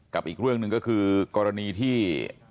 อีกเรื่องหนึ่งก็คือกรณีที่